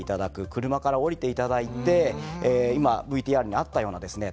車から降りていただいて今ＶＴＲにあったようなですね